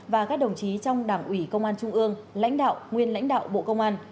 và các đồng chí trong đảng ủy công an trung ương lãnh đạo nguyên lãnh đạo bộ công an